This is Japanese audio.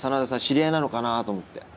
知り合いなのかなと思って。